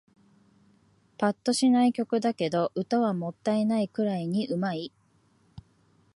ぱっとしない曲だけど、歌はもったいないくらいに上手い